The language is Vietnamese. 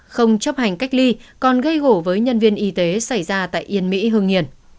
không chấp hành cách ly còn gây gổ với nhân viên y tế xảy ra tại yên mỹ hương yên